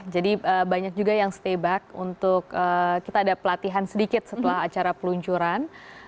jadi banyak juga yang stay back untuk kita ada pelatihan sedikit setelah acara peluncuran